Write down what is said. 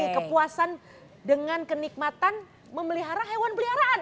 kepuasan dengan kenikmatan memelihara hewan peliharaan